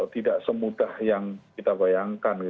tidak semudah yang kita bayangkan